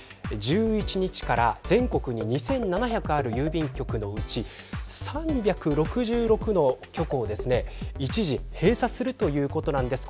１１日から全国に２７００ある郵便局のうち３６６の局をですね一時閉鎖するということなんです。